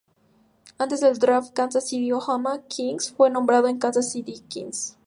Antes del draft, Kansas City-Omaha Kings fue renombrado a Kansas City Kings.